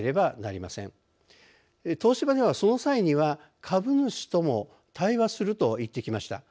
東芝では「その際には株主とも対話する」と言ってきました。